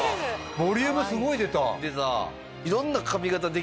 ボリュームすごい出た。